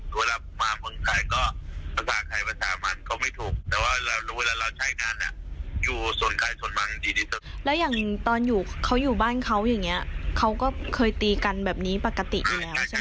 แต่นั้นไม่ใช่ตื๊กกันครับซึ่งยินปืนกันเลย